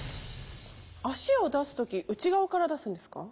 足を出す時内側から出すんですか？